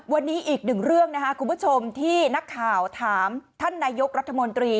วันนี้อีกหนึ่งเรื่องนะครับคุณผู้ชมที่นักข่าวถามท่านนายกรัฐมนตรี